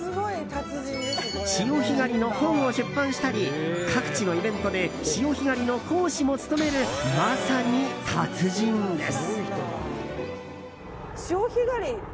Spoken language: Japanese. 潮干狩りの本を出版したり各地のイベントで潮干狩りの講師も務めるまさに達人です。